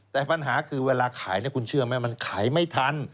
แต่ปัญหาคือเวลาขายคุณเชื่อไหมมันขายไม่ทัน